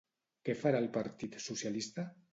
Què farà el Partit Socialista?